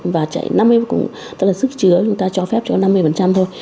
và chạy năm mươi cụm tức là sức chứa chúng ta cho phép cho năm mươi thôi